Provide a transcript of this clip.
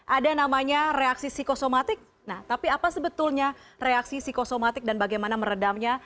ada namanya reaksi psikosomatik nah tapi apa sebetulnya reaksi psikosomatik dan bagaimana meredamnya